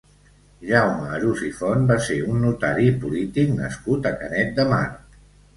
Jaume Arús i Font va ser un notari i polític nascut a Canet de Mar.